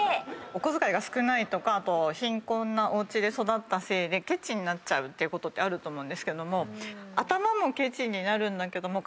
お小遣いが少ないとか貧困なおうちで育ったせいでケチになっちゃうってことってあると思うんですけども頭もケチになるんだけども。